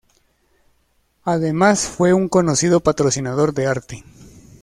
Además fue un conocido patrocinador de arte.